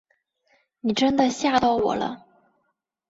你真的吓到我了